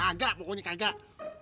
kagak pokoknya kagak